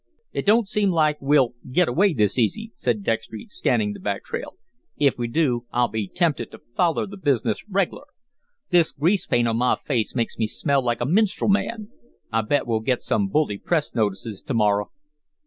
"It don't seem like we'll get away this easy," said Dextry, scanning the back trail. "If we do, I'll be tempted to foller the business reg'lar. This grease paint on my face makes me smell like a minstrel man. I bet we'll get some bully press notices to morrow."